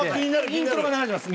イントロが流れてます